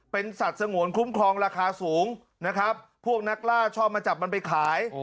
เป็นสัตว์สงวนคุ้มครองราคาสูงนะครับพวกนักล่าชอบมาจับมันไปขาย